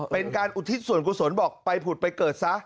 เป็นการอุทิศส่วนกุศลบอกไปผุดไปเกิดซะ